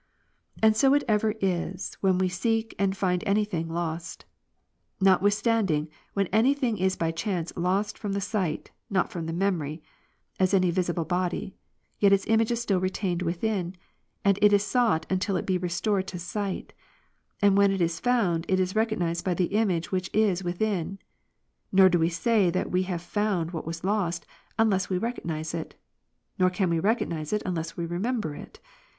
And so it ever is, when we seek and find any lost thing. NotAvithstanding, when any thing is by chance lost from the sight, not from the memory, (as any visible body,) yet its image is still retained within, and it is sought until it be restored to sight ; and when it is found, it is recognized by the image which is within : nor do we say that we have found what v/as lost, unless we recognize it ; nor can we recognize it, unless we remember it.